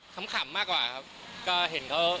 เขาก็สนมกับคนในร้านด้วยอะไรอย่างเงี้ย